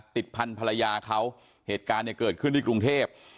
ติดพันธรรยาเขาเหตุการณ์เนี่ยเกิดขึ้นที่กรุงเทพ